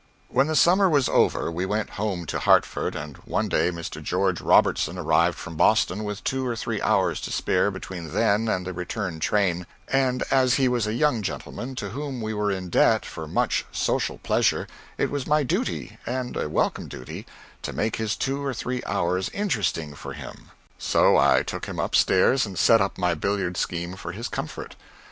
When the summer was over, we went home to Hartford, and one day Mr. George Robertson arrived from Boston with two or three hours to spare between then and the return train, and as he was a young gentleman to whom we were in debt for much social pleasure, it was my duty, and a welcome duty, to make his two or three hours interesting for him. So I took him up stairs and set up my billiard scheme for his comfort.